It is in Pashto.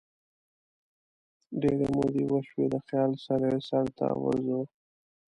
ډیري مودې وشوي دخیال سره یې سرته ورځو